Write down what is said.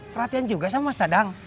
perhatian juga sama mas tadang